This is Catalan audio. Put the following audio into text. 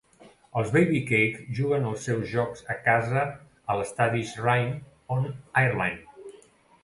Els Baby Cakes juguen els seus jocs a casa a l'estadi Shrine on Airline.